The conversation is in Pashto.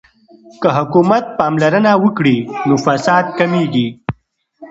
که حکومت پاملرنه وکړي نو فساد کمیږي.